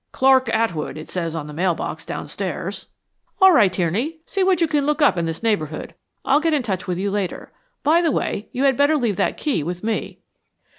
"Clark Atwood, it says on the mail box downstairs." "All right, Tierney. See what you can look up in this neighborhood. I'll get in touch with you later. By the way, you had better leave that key with me."